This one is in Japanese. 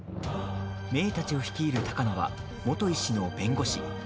芽依たちを率いる鷹野は元医師の弁護士。